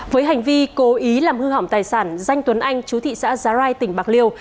với hành vi cố ý làm hư hỏng tài sản danh tuấn anh chú thị xã giá rai tỉnh bạc liêu